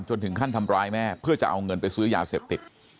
ถึงขั้นทำร้ายแม่เพื่อจะเอาเงินไปซื้อยาเสพติด